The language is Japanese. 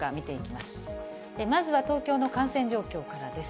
まずは東京の感染状況からです。